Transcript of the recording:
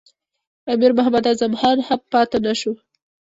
امیر محمد اعظم خان هم پاته نه شو.